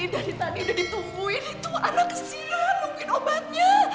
dari tadi udah ditungguin itu anak kesial lukuin obatnya